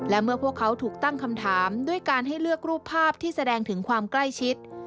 และเมื่อพวกเขาถูกตั้งคำถามด้วยการให้เลือกรูปภาพที่แสดงถึงความใกล้ชิด